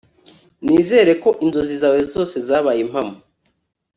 Nizere ko inzozi zawe zose zabaye impamo